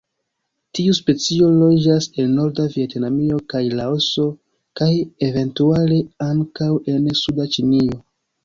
Tiu specio loĝas en norda Vjetnamo kaj Laoso, kaj eventuale ankaŭ en suda Ĉinio.